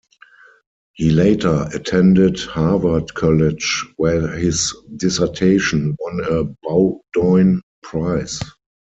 He later attended Harvard College, where his dissertation won a Bowdoin Prize.